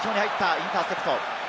インターセプト。